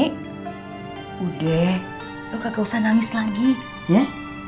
nek udah lo kakak usah nangis lagi ya